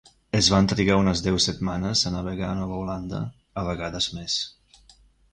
Es van trigar unes deu setmanes a navegar a Nova Holanda, a vegades més.